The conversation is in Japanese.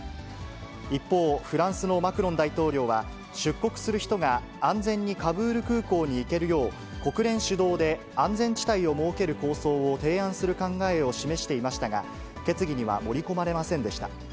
一方、フランスのマクロン大統領は、出国する人が安全にカブール空港に行けるよう、国連主導で安全地帯を設ける構想を提案する考えを示していましたが、決議には盛り込まれませんでした。